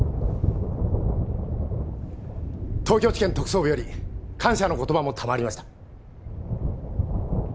東京地検特捜部より感謝の言葉も賜りました。